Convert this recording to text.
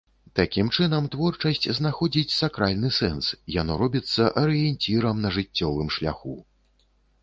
Такім чынам, творчасць знаходзіць сакральны сэнс, яно робіцца арыенцірам на жыццёвым шляху.